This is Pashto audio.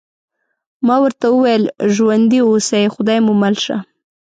ما ورته وویل: ژوندي اوسئ، خدای مو مل شه.